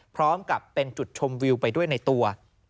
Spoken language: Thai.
พร้อมกับเป็นจุดชมวิวไปด้วยในตัว